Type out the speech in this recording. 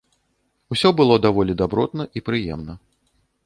Усё было даволі дабротна і прыемна.